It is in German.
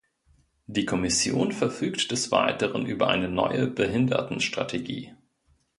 Die Kommission verfügt des Weiteren über eine neue Behindertenstrategie.